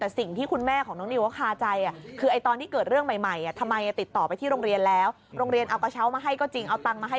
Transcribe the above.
แต่สิ่งที่คุณแม่ของน้องนิวเขาคาใจ